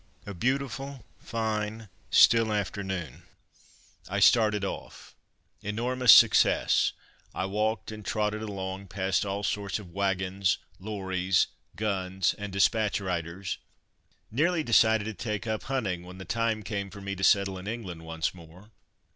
A beautiful, fine, still afternoon. I started off. Enormous success. I walked and trotted along, past all sorts of wagons, lorries, guns and despatch riders. Nearly decided to take up hunting, when the time came for me to settle in England once more.